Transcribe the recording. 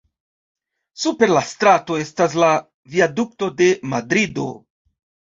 Super la strato estas la Viadukto de Madrido.